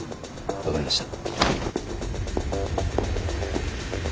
分かりました。